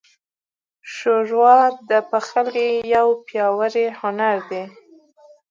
ښوروا د پخلي یو پیاوړی هنر دی.